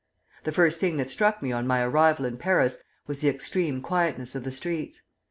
The first thing that struck me on my arrival in Paris was the extreme quietness of the streets.